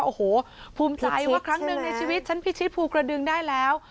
โอ้โหภูมิใจว่าครั้งหนึ่งในชีวิตฉันพิชิตภูกระดึงได้แล้ว